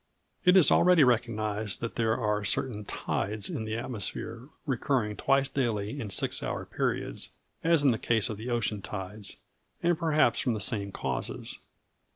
It is already recognized that there are certain "tides" in the atmosphere, recurring twice daily in six hour periods, as in the case of the ocean tides, and perhaps from the same causes.